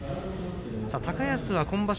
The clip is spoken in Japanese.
高安は今場所